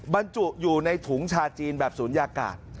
บรรจุอยู่ในถุงชาจีนแบบศูนยากาศ